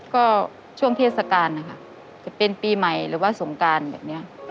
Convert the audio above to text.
ก็ช่วงเทศกาลนะคะจะเป็นปีใหม่หรือว่าสงการแบบนี้